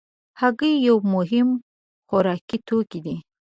هګۍ یو مهم خوراکي توکی دی.